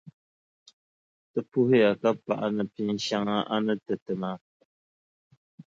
Ti puhiya ka paɣi ni pinʼ shɛŋa a ni ti ti maa.